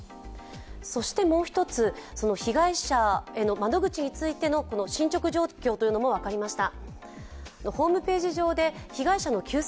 そしてもう一つ、被害者への窓口についての進捗状況というのも分かりました。